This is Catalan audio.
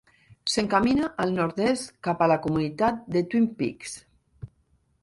S'encamina al nord-est, cap a la comunitat de Twin Peaks.